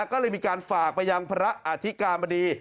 ก็เลยมีการฝากไปยังพระอธิการบดี